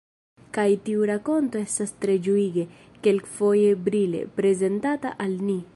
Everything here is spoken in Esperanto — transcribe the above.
Kaj tiu rakonto estas tre ĝuige, kelkfoje brile, prezentata al ni.